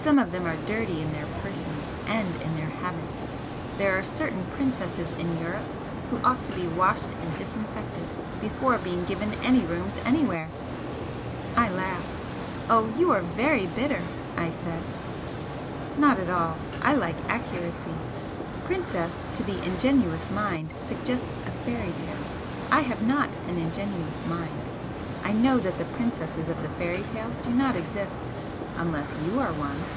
Some of them are dirty in their persons and in their habits. There are certain 'princesses' in Europe who ought to be washed and disinfected before being given any rooms anywhere!" I laughed. "Oh, you are very bitter!" I said. "Not at all. I like accuracy. 'Princess' to the ingenuous mind suggests a fairy tale. I have not an ingenuous mind. I know that the princesses of the fairy tales do not exist, unless you are one."